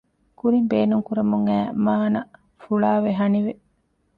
ކުރިން ބޭނުންކުރަމުން އައި މާނަ ފުޅާވެ ހަނިވެ